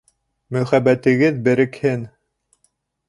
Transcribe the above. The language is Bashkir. Мөхәббәтегеҙ берекһен!